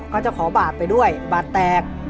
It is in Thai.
เขาจะขอบาทไปด้วยบาทแตก